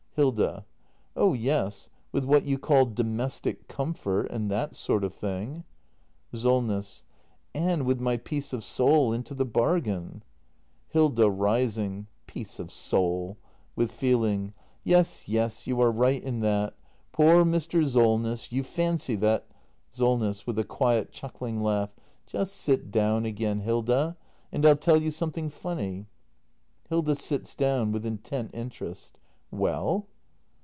Hilda. Oh yes — with what you call domestic comfort — and that sort of thing. SOLNESS. And with my peace of soul into the bargain. Hilda. [Rising.] Peace of soul! [With feeling.] Yes, yes, you are right in that! Poor Mr. Solness — you fancy that act ii] THE MASTER BUILDER 359 SOLNESS. [With a quiet, chuckling laugh.] Just sit down again, Hilda, and I'll tell you something funny. Hilda. [Sits down; with intent interest.] Well